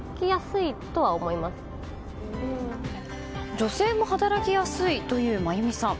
女性も働きやすいという真弓さん。